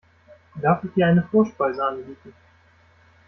Darf ich dir eine Vorspeise anbieten?